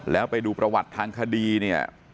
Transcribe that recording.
แล้วไปดูประวัติทางคดีเนี่ย